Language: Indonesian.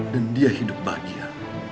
dan dia hidup bahagia